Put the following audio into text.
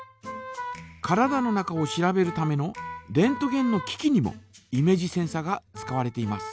体の中を調べるためのレントゲンの機器にもイメージセンサが使われています。